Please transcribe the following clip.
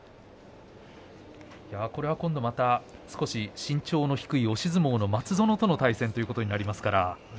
これは今度また少し身長の低い押し相撲の松園との対戦になります。